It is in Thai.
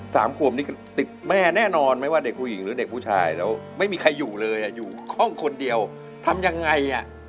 สามขวบนี่ก็ติดแม่แน่นอนไม่ว่าเด็กผู้หญิงหรือเด็กผู้ชายแล้วไม่มีใครอยู่เลยอ่ะอยู่ห้องคนเดียวทำยังไงอ่ะ